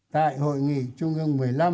tại hội nghị trung ương một mươi năm